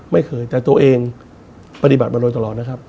ไม่เคยแต่ตัวเองปฏิบัติมาโดยตลอดนะครับ